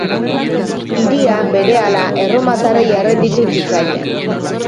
Hiria berehala erromatarrei errenditu zitzaien.